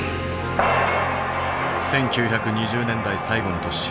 １９２０年代最後の年。